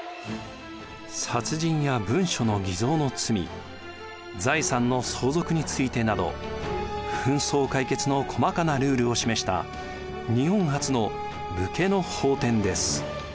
殺人や文書の偽造の罪財産の相続についてなど紛争解決の細かなルールを示した日本初の武家の法典です。